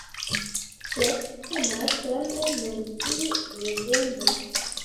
Sed temas sole nur pri legendo.